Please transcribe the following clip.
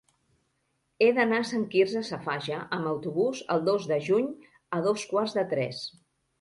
He d'anar a Sant Quirze Safaja amb autobús el dos de juny a dos quarts de tres.